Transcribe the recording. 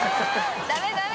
ダメダメ！